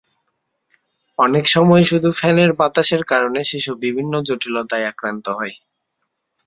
অনেক সময় শুধু ফ্যানের বাতাসের কারণে শিশু বিভিন্ন জটিলতায় আক্রান্ত হয়।